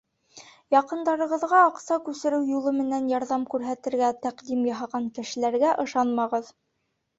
— Яҡындарығыҙға аҡса күсереү юлы менән ярҙам күрһәтергә тәҡдим яһаған кешеләргә ышанмағыҙ.